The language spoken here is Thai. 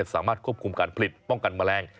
สามารถควบคุมการผลิตป้องกันแมลง